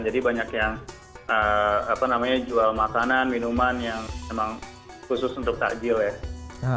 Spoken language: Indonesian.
jadi banyak yang apa namanya jual makanan minuman yang memang khusus untuk takjil ya